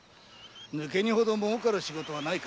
抜け荷ほどもうかる仕事はない。